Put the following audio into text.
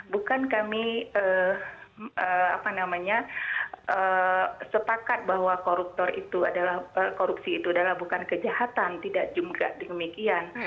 bukan kami sepakat bahwa koruptor itu adalah bukan kejahatan tidak jumlah demikian